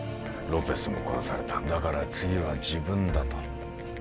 ロペスも殺されただから次は自分だと？